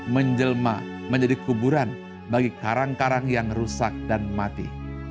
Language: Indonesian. menjelma menjadi kuburan bagi karang karang yang rusak dan mati